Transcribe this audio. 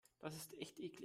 Das ist echt eklig.